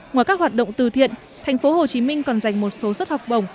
ngoài các hoạt động từ thiện tp hồ chí minh còn dành một số xuất học bổng